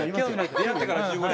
出会ってから１５年